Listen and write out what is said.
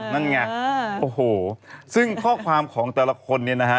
นั่นไงโอ้โหซึ่งข้อความของแต่ละคนเนี่ยนะฮะ